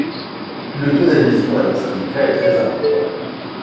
Le taux d’adhésion à leurs syndicats est très important.